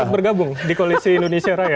bergabung di koalisi indonesia orang ya